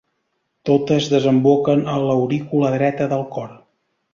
Totes desemboquen a l'aurícula dreta del cor.